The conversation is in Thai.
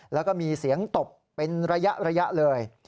แล้วก็มีเสียงตบเป็นระยะเลย